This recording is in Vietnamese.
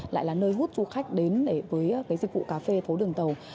lại là nơi hút du khách đến với dịch vụ cà phê phố đường tàu